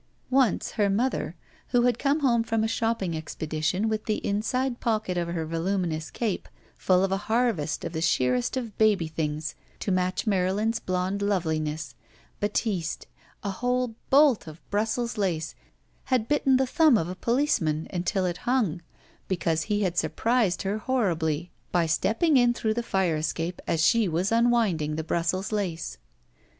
Once her mother, who had come home from a shopping expedition with the inside pocket of her voluminous cape full of a harvest of the sheerest of baby things to match Marylin's blond loveliness — batiste — a whole bolt of Brussels lace — ^had bitten the thumb of a policeman until it hung, because he had surprised her horribly by stepping in through "3 THE VERTICAL CITY fhe fire escape^'as she was unwinding the Brussds lace.